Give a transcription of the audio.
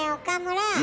岡村。